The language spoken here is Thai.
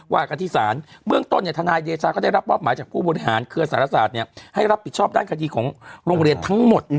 ว่ากันที่ศาลเบื้องต้นเนี่ยทนายเดชาก็ได้รับมอบหมายจากผู้บริหารเครือสารศาสตร์ให้รับผิดชอบด้านคดีของโรงเรียนทั้งหมด